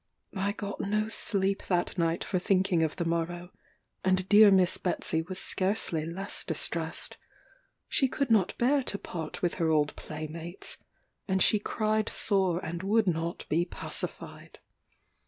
I got no sleep that night for thinking of the morrow; and dear Miss Betsey was scarcely less distressed. She could not bear to part with her old playmates, and she cried sore and would not be pacified.